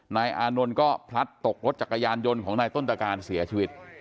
อานนท์ก็พลัดตกรถจักรยานยนต์ของนายต้นตะการเสียชีวิต